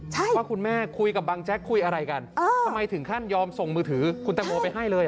ใช่ว่าคุณแม่คุยกับบังแจ๊กคุยอะไรกันเออทำไมถึงขั้นยอมส่งมือถือคุณแตงโมไปให้เลย